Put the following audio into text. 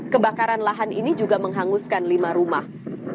kebakaran lahan ini juga menghanguskan lima rumah